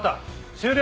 終了！